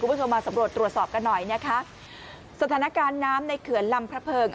คุณผู้ชมมาสำรวจตรวจสอบกันหน่อยนะคะสถานการณ์น้ำในเขื่อนลำพระเพิง